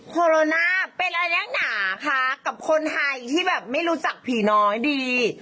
โคโรนาเป็นอะไรเรียกหนาคะกับคนไทยที่แบบไม่รู้จักผีน้อยดี